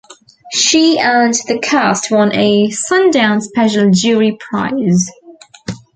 She and the cast won a Sundance Special Jury Prize.